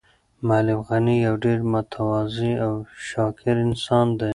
معلم غني یو ډېر متواضع او شاکر انسان دی.